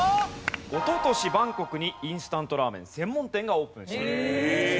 おととしバンコクにインスタントラーメン専門店がオープンしたという事ですね。